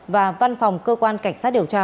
và văn phòng cơ quan cảnh sát điều tra